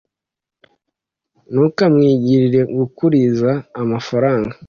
Ntukamwiringire kuguriza amafaranga